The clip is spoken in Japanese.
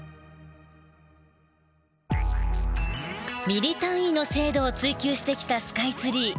ミリ単位の精度を追求してきたスカイツリー。